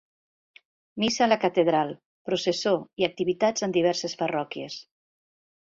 Missa a la Catedral, processó i activitats en diverses parròquies.